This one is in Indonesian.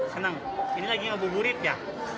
senang ini lagi ngabuburit ya